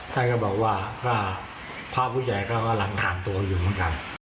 ท่านก็บอกว่าก็พระผู้ใหญ่ก็หลังฐานตัวอยู่เหมือนกัน